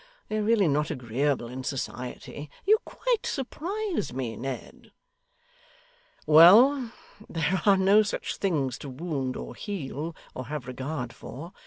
They are really not agreeable in society. You quite surprise me, Ned.' 'Well! there are no such things to wound, or heal, or have regard for.